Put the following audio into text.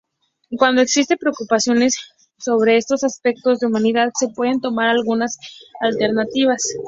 Cuando existe preocupación sobre estos aspectos de unanimidad, se pueden tomar algunas alternativas.